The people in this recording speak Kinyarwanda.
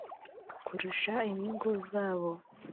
kurusha inyungu zabo